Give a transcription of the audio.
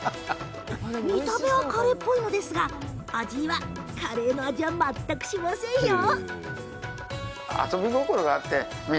見た目はカレーっぽいですがでもカレーの味は、全くしませんよ。